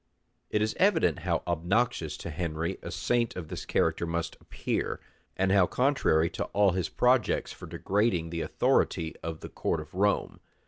It is evident how obnoxious to Henry a saint of this character must appear, and how contrary to all his projects for degrading the authority of the court of Rome.